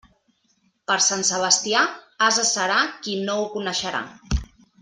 Per Sant Sebastià, ase serà qui no ho coneixerà.